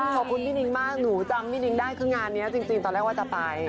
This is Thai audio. ขอบคุณพี่นิ้งมากหนูจำพี่นิ้งได้คืองานนี้จริงตอนแรกว่าจะไป